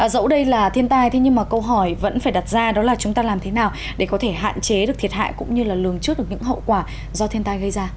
dẫu đây là thiên tai thế nhưng mà câu hỏi vẫn phải đặt ra đó là chúng ta làm thế nào để có thể hạn chế được thiệt hại cũng như là lường trước được những hậu quả do thiên tai gây ra